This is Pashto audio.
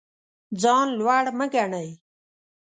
ځان لوړ مه ګڼئ.